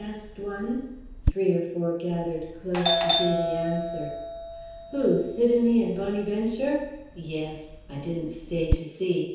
asked one. Three or four gathered close to hear the answer. "Who? Sidonie and Bonnyventure? Yes. I didn't stay to see.